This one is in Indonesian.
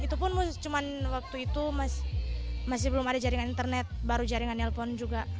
itu pun cuma waktu itu masih belum ada jaringan internet baru jaringan nelpon juga